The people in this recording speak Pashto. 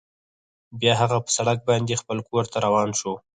بیا هغه په سړک باندې خپل کور ته روان شو